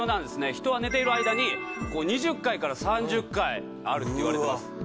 人は寝ている間に２０回から３０回あるっていわれてます